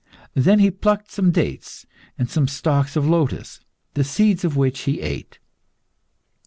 Then he plucked some dates and some stalks of lotus, the seeds of which he ate.